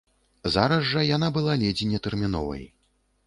Зараз жа яна была ледзь не тэрміновай.